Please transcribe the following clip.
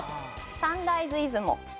サンライズ出雲。